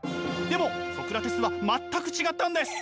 でもソクラテスは全く違ったんです！